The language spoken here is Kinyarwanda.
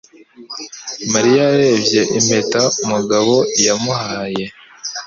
Mariya yarebye impeta Mugabo yamuhaye.